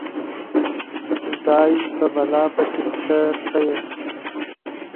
ځای په بلا پسې چې ته ښه یې.